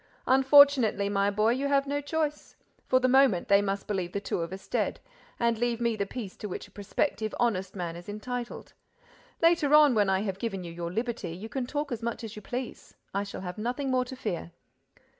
"Unfortunately, my boy, you have no choice. For the moment, they must believe the two of us dead—and leave me the peace to which a prospective honest man is entitled. Later on, when I have given you your liberty, you can talk as much as you please—I shall have nothing more to fear."